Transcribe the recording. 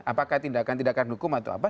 apakah tindakan tindakan hukum atau apa